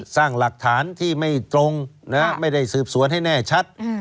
สร้างหลักฐานที่ไม่ตรงไม่ได้สืบสวนให้แน่ชัด